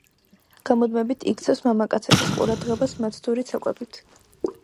გამუდმებით იქცევს მამაკაცების ყურადღებას მაცდური ცეკვებით.